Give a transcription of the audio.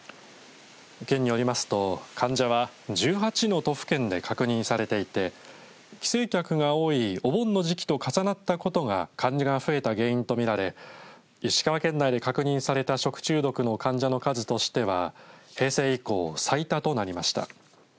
県によりますと、患者は１８の都府県で確認されていて帰省客が多いお盆の時期と重なったことが患者が増えた原因と見られ石川県内で確認された食中毒の患者の数としては平成以降、最多となりました。